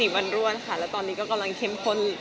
๔วันร่วนค่ะและตอนนี้ก็กำลังเช็มผล